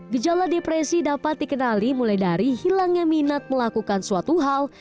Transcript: gejala depresi dapat dikenali mulai dari hilangnya minat melakukan suatu hal